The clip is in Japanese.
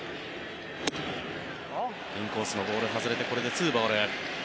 インコースのボール外れてこれで２ボール。